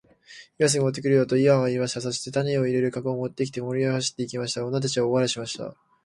「今すぐ持って来るよ。」とイワンは言いました。そして種を入れる籠を持って森へ走って行きました。女たちは大笑いしました。